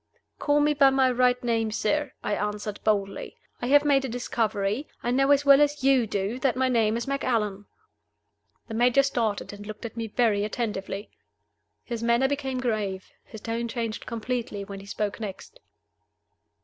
"Call me by my right name, sir," I answered, boldly. "I have made a discovery. I know as well as you do that my name is Macallan." The Major started, and looked at me very attentively. His manner became grave, his tone changed completely, when he spoke next.